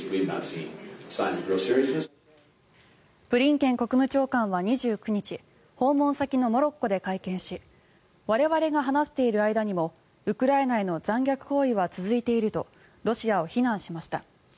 ブリンケン国務長官は２９日訪問先のモロッコで会見し我々が話している間にもウクライナへの残虐行為は続いているとロシアを非難しました。